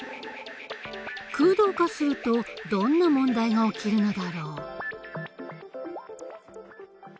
空洞化するとどんな問題が起きるのだろう？